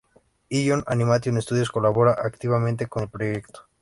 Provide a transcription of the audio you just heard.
Ilion Animation Studios colabora activamente con el proyecto.